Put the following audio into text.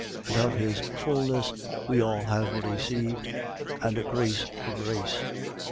1:16. And of his fulness we all have received: and grace for grace.